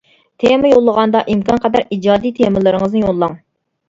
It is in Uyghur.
تېما يوللىغاندا ئىمكان قەدەر ئىجادىي تېمىلىرىڭىزنى يوللاڭ!